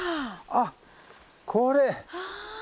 あっこれ？